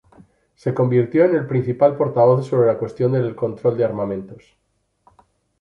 Se convirtió en el principal portavoz sobre la cuestión del control de armamentos.